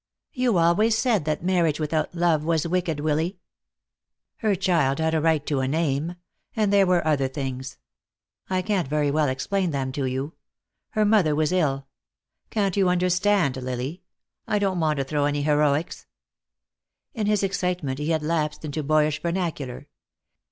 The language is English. "You always said that marriage without love was wicked, Willy." "Her child had a right to a name. And there were other things. I can't very well explain them to you. Her mother was ill. Can't you understand, Lily? I don't want to throw any heroics." In his excitement he had lapsed into boyish vernacular.